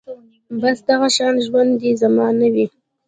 بس دغه شان ژوند دې زما نه وي